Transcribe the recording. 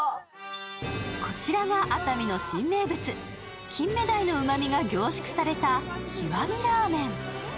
こちらが熱海の新名物、金目鯛のうまみが凝縮された「極み」ラーメン。